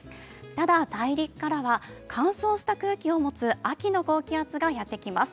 ただ、大陸からは乾燥した空気を持つ秋の高気圧がやってきます。